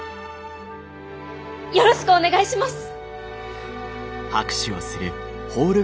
よろしくお願いします！